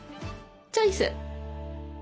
チョイス！